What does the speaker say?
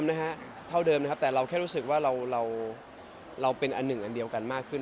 นะฮะเท่าเดิมนะครับแต่เราแค่รู้สึกว่าเราเราเป็นอันหนึ่งอันเดียวกันมากขึ้น